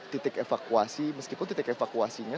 titik evakuasi meskipun titik evakuasinya